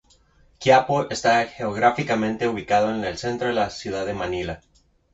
Quiapo está geográficamente ubicado en el centro de la ciudad de Manila.